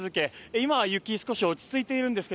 今は雪少し落ち着いているんですが